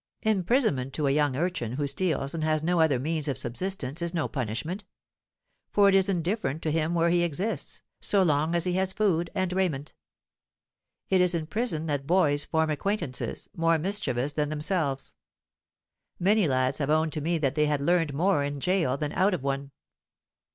Imprisonment to a young urchin who steals and has no other means of subsistence is no punishment; for it is indifferent to him where he exists, so long as he has food and raiment. It is in prison that boys form acquaintances, more mischievous than themselves. Many lads have owned to me that they had learned more in a gaol than out of one.